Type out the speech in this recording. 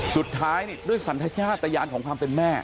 สุดท้ายเนี่ยด้วยสัญญาณตะยานของความเป็นแม่